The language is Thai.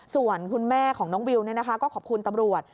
ส่วนคุณแม่ของน้องวิวก็ขอบคุณตำรวจ